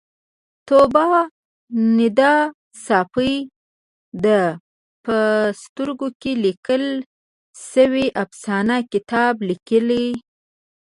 طوبا ندا ساپۍ د په سترګو کې لیکل شوې افسانه کتاب لیکلی